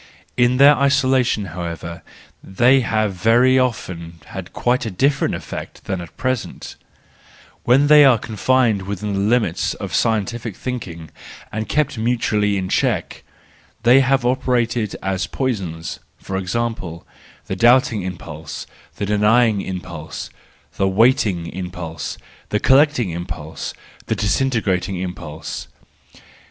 In their isolation, however, they have very often had quite a different effect than at present, when they are confined within the limits of scientific thinking and kept mutually in check they have operated as poisons ; for example, the doubting impulse, the denying impulse, the waiting impulse, the collect¬ ing impulse, the disintegrating impulse.